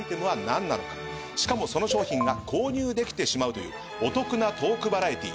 しかもその商品が購入できてしまうというお得なトークバラエティー。